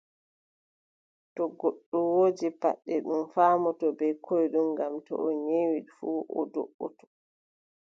To goɗɗo woodi paɗɗe, ɗum faamotoo bee koyɗum, ngam to neei fuu, o do"otoo,